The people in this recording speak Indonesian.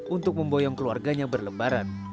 untuk memboyong keluarganya berlebaran